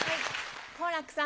好楽さん